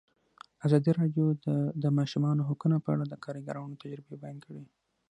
ازادي راډیو د د ماشومانو حقونه په اړه د کارګرانو تجربې بیان کړي.